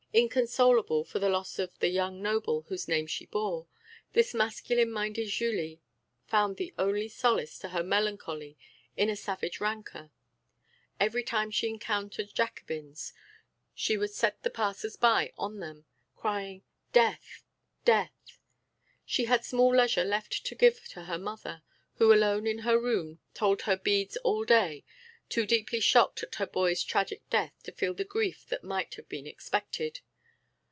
Inconsolable for the loss of the young noble whose name she bore, this masculine minded Julie found the only solace to her melancholy in a savage rancour; every time she encountered Jacobins, she would set the passers by on them, crying "Death, death!" She had small leisure left to give to her mother, who alone in her room told her beads all day, too deeply shocked at her boy's tragic death to feel the grief that might have been expected.